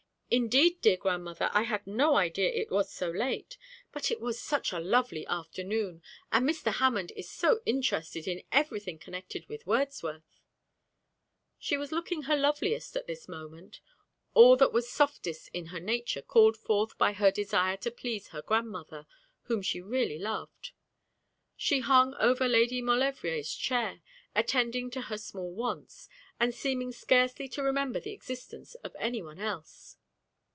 'Indeed, dear grandmother, I had no idea it was so late; but it was such a lovely afternoon, and Mr. Hammond is so interested in everything connected with Wordsworth ' She was looking her loveliest at this moment, all that was softest in her nature called forth by her desire to please her grandmother, whom she really loved. She hung over Lady Maulevrier's chair, attending to her small wants, and seeming scarcely to remember the existence of anyone else.